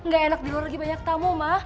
gak enak di luar lagi banyak tamu mah